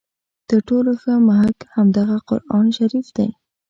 تر ټولو ښه محک همدغه قرآن شریف دی.